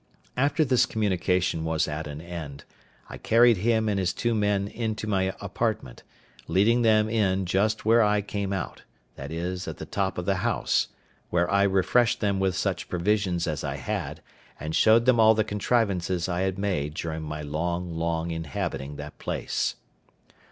After this communication was at an end, I carried him and his two men into my apartment, leading them in just where I came out, viz. at the top of the house, where I refreshed them with such provisions as I had, and showed them all the contrivances I had made during my long, long inhabiting that place.